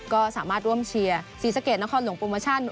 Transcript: ก็สามารถร่วมเชียร์ศรีสะเกดนครหลวงโปรโมชั่น